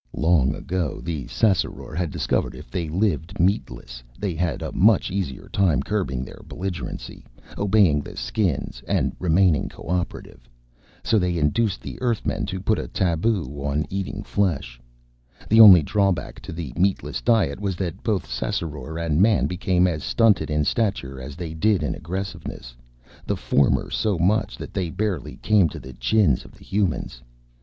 Long ago the Ssassaror had discovered that if they lived meatless, they had a much easier time curbing their belligerency, obeying the Skins and remaining cooperative. So they induced the Earthmen to put a taboo on eating flesh. The only drawback to the meatless diet was that both Ssassaror and Man became as stunted in stature as they did in aggressiveness, the former so much so that they barely came to the chins of the Humans.